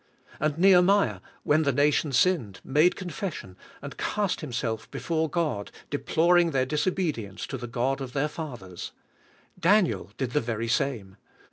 And Nehemiah, when the nation sinned, made confession, and cast himself before God, de ploring their disobedience to the God of their fathers. Daniel did the very same.